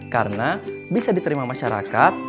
karena bisa diterima masyarakat